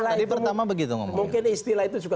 tadi pertama begitu mungkin istilah itu juga